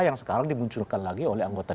yang sekarang dimunculkan lagi oleh anggota